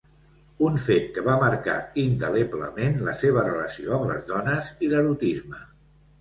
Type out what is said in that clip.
Un fet que va marcar indeleblement la seva relació amb les dones i l'erotisme.